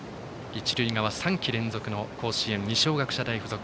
一塁側、３季連続の甲子園二松学舎大付属。